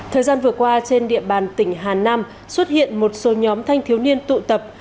thời gian vừa qua trên địa bàn tỉnh hà nam xuất hiện một số nhóm thanh thiếu niên tụ tập